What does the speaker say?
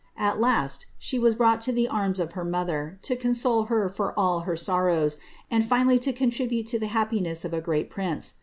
* At last, she was brought to the arms of her motlier, to cooiole her for all her sorrows, and finally to contribute to Uie happiness of a great prince.